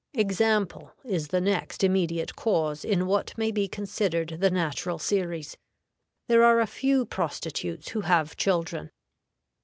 EXAMPLE is the next immediate cause in what may be considered the natural series. There are a few prostitutes who have children.